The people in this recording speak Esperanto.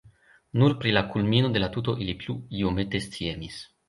Nur pri la kulmino de la tuto ili plu iomete sciemis.